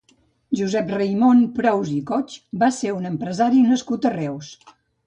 Josep Raimon Prous Cochs va ser un empresari nascut a Reus.